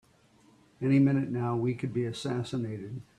Any minute now we could be assassinated!